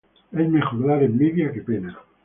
Es mejor dar envidia que pena